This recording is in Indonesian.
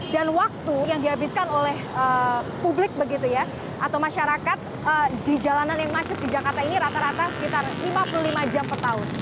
dan waktu yang dihabiskan oleh publik begitu ya atau masyarakat di jalanan yang macet di jakarta ini rata rata sekitar lima puluh lima jam per tahun